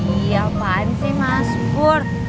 iya apaan sih mas pur